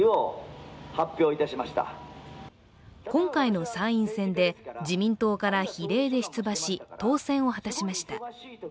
今回の参院選で、自民党から比例で出馬し当選を果たしました。